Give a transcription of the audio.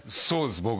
そうです